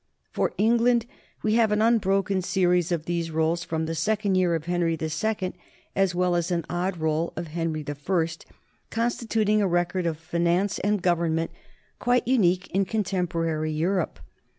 For England we have an unbroken series of these rolls from the second year of Henry II, as well as an odd roll of Henry I, constituting a record of finance and govern ment quite unique in contemporary Europe.